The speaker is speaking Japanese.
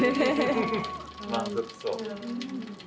満足そう。